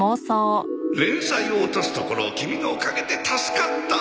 連載を落とすところをキミのおかげで助かった。